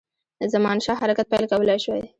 زمانشاه حرکت پیل کولای شوای.